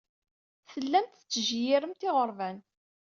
Tellamt tettjeyyiremt iɣerban.